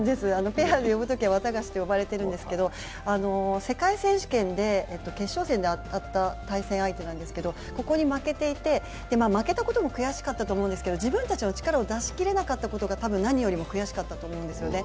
ペアで呼ぶときはワタガシと呼ばれているんですけれども、世界選手権で決勝戦で当たった対戦相手なんですけど、ここに負けていて、負けたことも悔しかったと思うんですけど自分たちの力を出し切れなかったことが何よりも悔しかったと思うんですよね。